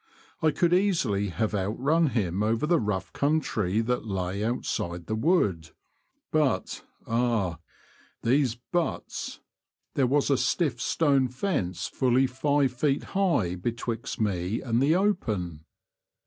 I could easily have outrun him over the rough country that lay outside the wood, but — ah ! these " buts "— there was a stiff stone fence fully five feet high betwixt me and the open.